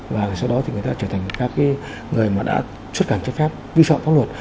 và sau đó thì người ta trở thành các cái người mà đã xuất cảnh chấp pháp vi soạn pháp luật